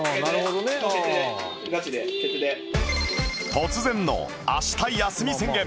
突然の明日休み宣言